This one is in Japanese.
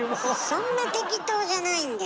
そんな適当じゃないんですよ？